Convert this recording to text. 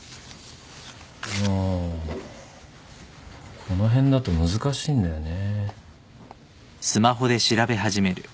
あこの辺だと難しいんだよね。